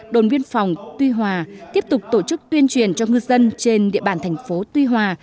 đồn biên phòng tuy hòa tiếp tục tổ chức tuyên truyền cho ngư dân trên địa bàn thành phố tuy hòa